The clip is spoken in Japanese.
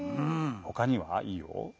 ほかには？いいよ。